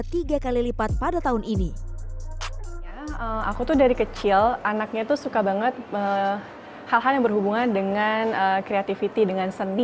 tiga kali lipat pada tahun ini aku tuh dari kecil anaknya tuh suka banget hal hal yang berhubungan